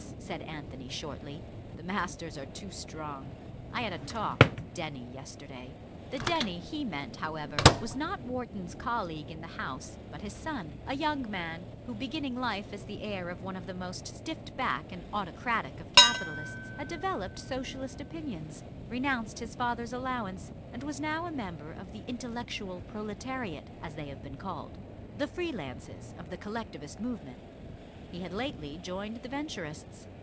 said Anthony shortly, "the masters are too strong. I had a talk with Denny yesterday." The Denny he meant, however, was not Wharton's colleague in the House, but his son a young man who, beginning life as the heir of one of the most stiff backed and autocratic of capitalists, had developed socialist opinions, renounced his father's allowance, and was now a member of the "intellectual proletariat," as they have been called, the free lances of the Collectivist movement. He had lately joined the Venturists.